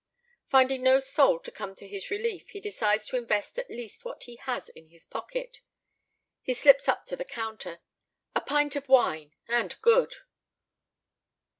Finding no soul to come to his relief, he decides to invest at least what he has in his pocket. He slips up to the counter. "A pint of wine and good."